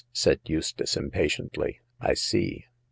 said Eustace, impatiently ;I see.